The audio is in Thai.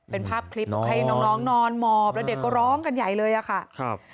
เป็นภาพคลิปให้น้องนอนหมอบแล้วเด็กก็ร้องกันใหญ่เลยอะค่ะ